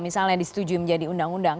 misalnya disetujui menjadi undang undang